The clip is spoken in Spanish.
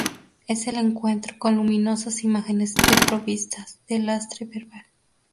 Es el encuentro con luminosas imágenes desprovistas de lastre verbal.